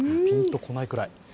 ピンとこないくらい。